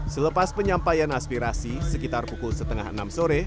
selepas penyampaian aspirasi sekitar pukul setengah enam sore